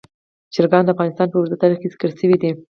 چرګان د افغانستان په اوږده تاریخ کې ذکر شوي دي.